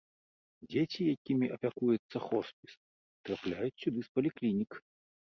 Дзеці, якімі апякуецца хоспіс, трапляюць сюды з паліклінік.